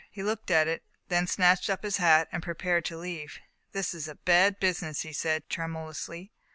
He looked at it, then snatched up his hat and pre pared to leave. " This is a bad business,*' he said tremulously.